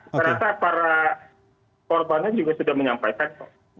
saya rasa para korbannya juga sudah menyampaikan